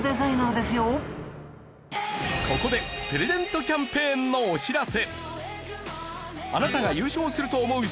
ここでプレゼントキャンペーンのお知らせ！